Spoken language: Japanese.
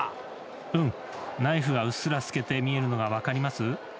うん、ナイフがうっすら透けて見えるのが分かります？